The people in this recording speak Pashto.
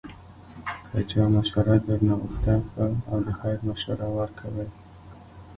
که چا مشوره درنه غوښته، ښه او د خیر مشوره ورکوئ